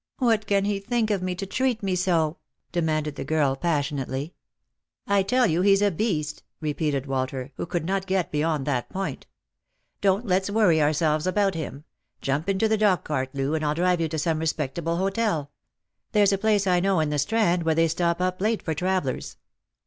What can he think of me to treat me so ?" demanded the girl passionately. " I tell you he's a beast," repeated Walter, who could not get beyond that point. " Don't let's worry ourselves about him. Jump into the dog cart, Loo, and I'll drive you to some respect 114 Lost for Love. able hotel. There's a place I know in the Strand where they stop np late for travellers."